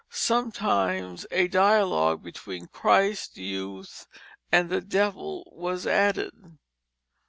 Sometimes a Dialogue between Christ, Youth, and the Devil was added.